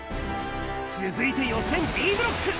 続いて予選Ｂブロック。